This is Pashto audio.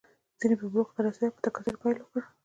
ځینې به بلوغ ته رسېدل او په تکثر یې پیل وکړ.